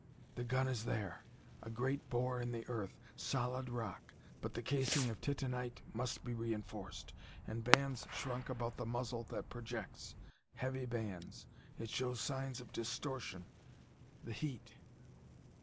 The gun is there ... a great bore in the earth ... solid rock ... but the casing of titanite must be reinforced ... and bands shrunk about the muzzle that projects ... heavy bands ... it shows signs of distortion the heat!..."